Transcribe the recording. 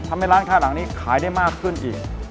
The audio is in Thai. ทำให้ร้านข้างหลังนี้ขายได้มากขึ้นอีก